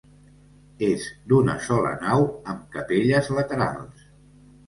És d'una sola nau, amb capelles laterals.